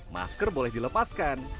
masker boleh dilepaskan